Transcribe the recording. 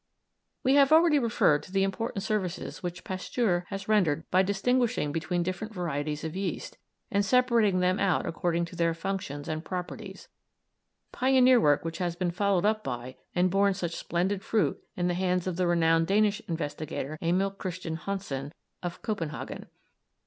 We have already referred to the important services which Pasteur has rendered by distinguishing between different varieties of yeast, and separating them out according to their functions and properties pioneer work which has been followed up by and borne such splendid fruit in the hands of the renowned Danish investigator, Emil Christian Hansen of Copenhagen.